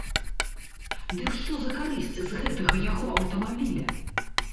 Дык што за карысць з гэтага яго аўтамабіля!